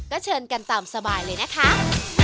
ก็เชิญกันตามสบายเลยนะคะ